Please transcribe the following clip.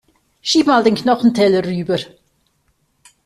Schieb mal den Knochenteller rüber.